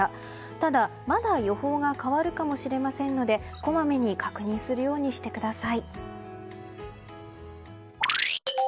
ただ、まだ予報が変わるかもしれませんのでこまめに確認するようにしてください。